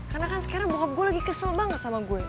karena kan sekarang bokap gue lagi kesel banget sama gue